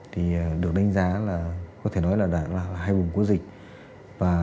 thì được đánh giá là có thể nói là hai vùng của dịch